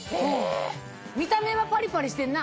見た目はパリパリしてんな！